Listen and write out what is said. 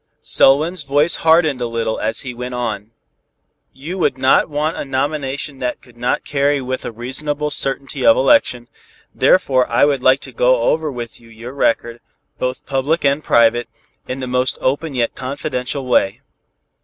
Selwyn's voice hardened a little as he went on. "You would not want a nomination that could not carry with a reasonable certainty of election, therefore I would like to go over with you your record, both public and private, in the most open yet confidential way.